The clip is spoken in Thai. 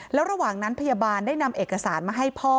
แล้วระหว่างนั้นพยาบาลได้นำเอกสารมาให้พ่อ